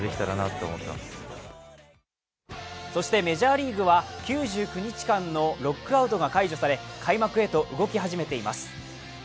メジャーリーグは９９日間のロックアウトが解除され開幕へと動き始めています。